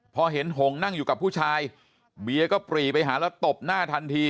พอเห็นหงนั่งอยู่กับผู้ชายเบียร์ก็ปรีไปหาแล้วตบหน้าทันที